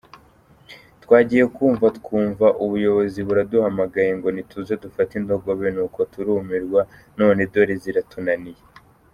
Twagiye kumva twumva ubuyobozi buraduhamagaye ngo nituze dufate indogobe nuko turumirwa none dore ziratunaniye”.